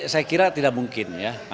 saya kira tidak mungkin ya